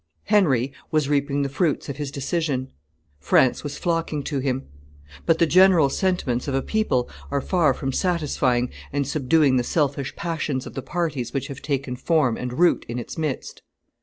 Henry was reaping the fruits of his decision; France was flocking to him. But the general sentiments of a people are far from satisfying and subduing the selfish passions of the parties which have taken form and root in its midst.